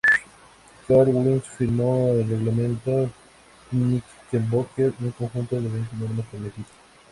Cartwright formalizó el Reglamento Knickerbocker, un conjunto de veinte normas para el equipo.